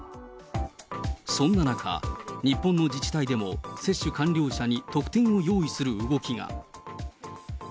そんな中、日本の自治体でも、接種完了者に特典を用意する動きが。